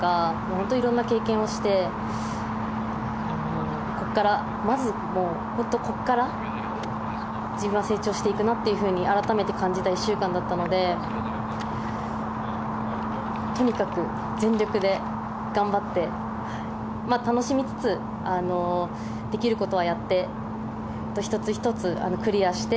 本当に色んな経験をしてまず本当にここから自分は成長していくなって改めて感じた１週間だったのでとにかく全力で頑張って楽しみつつできることはやって１つ１つクリアして